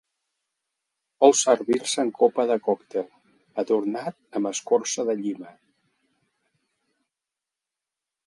Sol servir-se en copa de còctel, adornat amb escorça de llima.